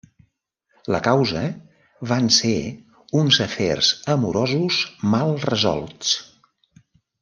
La causa van ser uns afers amorosos mal resolts.